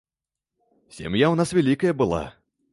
Сям'я ў нас вялікая была.